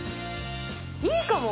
いいかも。